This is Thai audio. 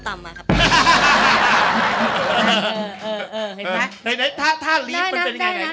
ถ้าลีฟมันจะเป็นยังไง